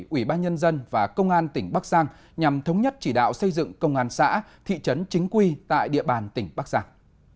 ủy ban nhân dân và công an tỉnh bắc giang nhằm thống nhất chỉ đạo xây dựng công an xã thị trấn chính quy tại địa bàn tỉnh bắc giang